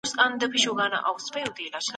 قراني ایتونه روښانه دي.